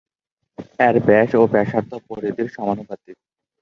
এর ব্যাস ও ব্যাসার্ধ পরিধির সমানুপাতিক।